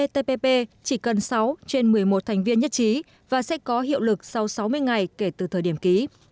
tpp chỉ cần sáu trên một mươi một thành viên nhất trí và sẽ có hiệu lực sau sáu mươi ngày kể từ thời điểm ký